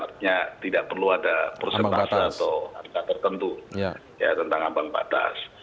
artinya tidak perlu ada prosentase atau angka tertentu tentang ambang batas